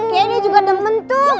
iya dia juga nemen tuh